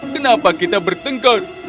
kenapa kita bertengkar